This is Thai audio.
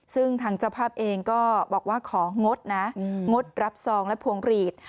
ซึ่งทางเจ้าภาพเองก็บอกว่าของงดนะงดรับซองและพวงหลีด